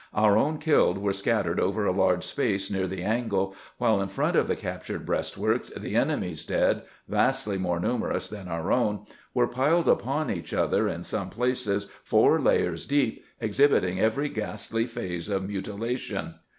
Our own killed were scattered over a large space near the " angle," while in front of the captured breastworks the enemy's dead, vastly more numerous than our own, were piled upon each other in some places four layers deep, exhibiting every ghastly phase of mu tilation.